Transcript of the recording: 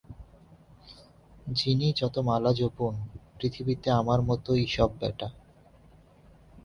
যিনি যত মালা জপুন পৃথিবীতে আমার মতোই সব বেটা।